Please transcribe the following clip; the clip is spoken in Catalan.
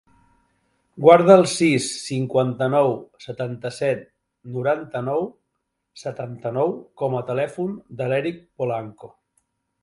Guarda el sis, cinquanta-nou, setanta-set, noranta-nou, setanta-nou com a telèfon de l'Èric Polanco.